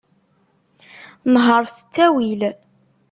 Nheṛ s ttawil.